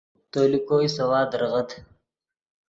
تو لے کوئی سوا دریغت